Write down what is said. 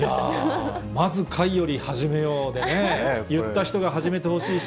まず、かいより始めよでね、言った人が始めてほしいし。